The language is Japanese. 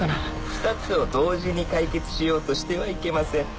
２つを同時に解決しようとしてはいけません